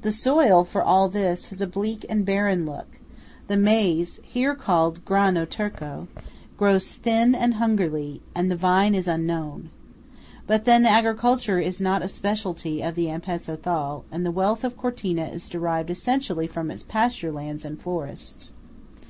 The soil, for all this, has a bleak and barren look; the maize (here called grano Turco) grows thin and hungerly; and the vine is unknown. But then agriculture is not a speciality of the Ampezzo Thal, and the wealth of Cortina is derived essentially from its pasture lands and forests.